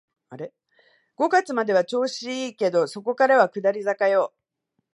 五月までは調子いいけど、そこからは下り坂よ